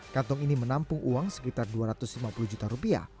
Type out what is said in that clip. kantong ini menampung uang sekitar dua ratus lima puluh juta rupiah